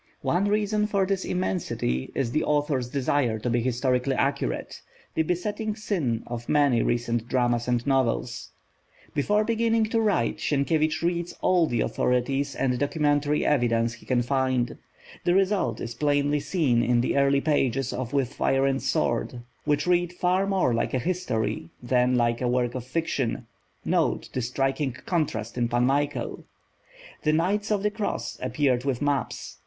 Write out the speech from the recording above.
One reason for this immensity is the author's desire to be historically accurate, the besetting sin of many recent dramas and novels. Before beginning to write, Sienkiewicz reads all the authorities and documentary evidence he can find. The result is plainly seen in the early pages of With Fire and Sword, which read far more like a history than like a work of fiction note the striking contrast in Pan Michael! The Knights of the Cross appeared with maps.